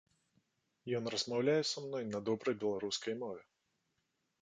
Ён размаўляе са мной на добрай беларускай мове.